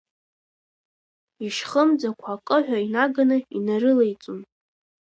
Ишьхымӡақәа акы ҳәа инаганы инарылеиҵон.